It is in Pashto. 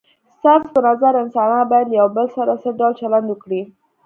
ستاسو په نظر انسانان باید له یو بل سره څه ډول چلند وکړي؟